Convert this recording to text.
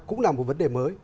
cũng là một vấn đề mới